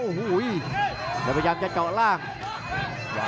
อื้อหือจังหวะขวางแล้วพยายามจะเล่นงานด้วยซอกแต่วงใน